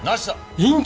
院長！